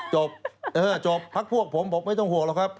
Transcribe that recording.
จบเออจบพักพวกผมผมไม่ต้องห่วงหรอกครับ